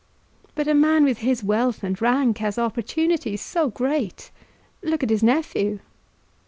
"But a man with his wealth and rank has opportunities so great! Look at his nephew!"